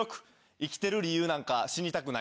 「生きてる理由なんか死にたくない。